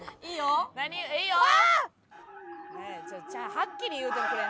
はっきり言うてくれんと。